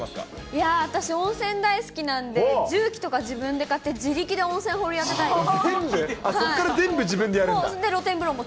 いやー、私温泉大好きなんで、重機とか自分で買って、自力で温泉掘り当てたいです。